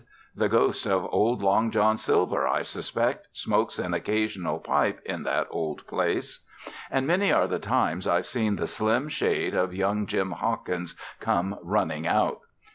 The ghost of old Long John Silver, I suspect, smokes an occasional pipe in that old place. And many are the times I've seen the slim shade of young Jim Hawkins come running out.